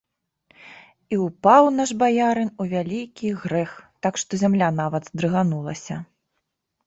І ўпаў наш баярын у вялікі грэх, так што зямля нават здрыганулася.